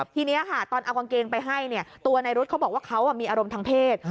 ทีนี้ค่ะตอนเอากางเกงไปให้ตัวในรุ๊ดเขาบอกว่าเขามีอารมณ์ทางเพศ